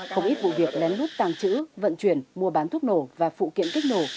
không ít vụ việc lén lút tàng trữ vận chuyển mua bán thuốc nổ và phụ kiện kích nổ